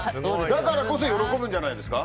だからこそ喜ぶんじゃないですか？